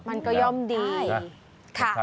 มันก็ย่อมดีค่ะใช่ค่ะ